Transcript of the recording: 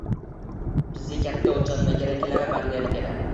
— Bizga katta oʻlchamdagi reklama banneri kerak